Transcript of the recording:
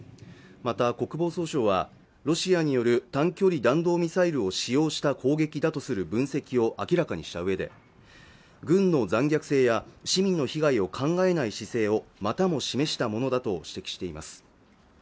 また国防総省はロシアによる短距離弾道ミサイルを使用した攻撃だとする分析を明らかにした上で軍の残虐性や市民の被害を考えない姿勢をまたも示したものだと指摘しています